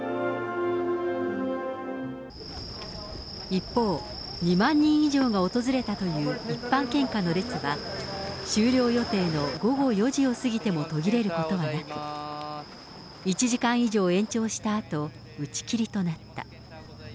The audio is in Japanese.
一方、２万人以上が訪れたという、一般献花の列は、終了予定の午後４時を過ぎても途切れることはなく、１時間以上延長したあと、打ち切りとなった。